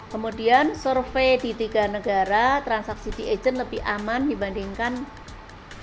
kemudian survei di tiga negara transaksi di agent lebih aman dibandingkan